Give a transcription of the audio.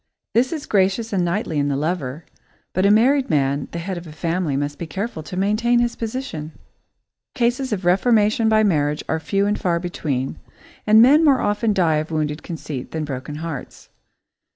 This is gracious and knightly in the lover, but a married man, the head of a family, must be careful to maintain his position. Cases of reformation by marriage are few and far between, and men more often die of wounded conceit than broken hearts.